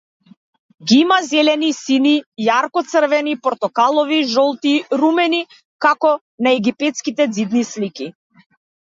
Ги има зелени, сини, јарко црвени, портокалови, жолти, румени, како на египетските ѕидни слики.